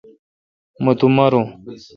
مہ تو مارو۔